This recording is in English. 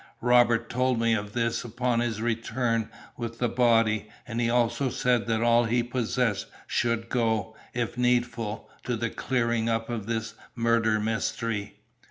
Robert told me of this upon his return with the body, and he also said that all he possessed should go, if needful, to the clearing up of this murder mystery."